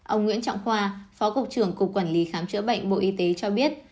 ông nguyễn trọng khoa phó cục trưởng cục quản lý khám chữa bệnh bộ y tế cho biết